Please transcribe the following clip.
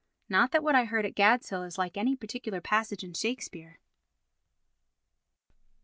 Not that what I heard at Gadshill is like any particular passage in Shakespeare.